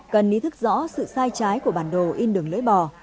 cần ý thức rõ sự sai trái của bản đồ in đường lưỡi bò